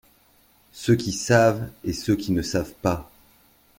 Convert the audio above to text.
Ceux qui savent et ceux qui ne savent pas.